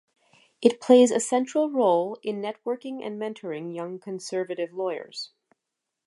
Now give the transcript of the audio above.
It plays a central role in networking and mentoring young conservative lawyers.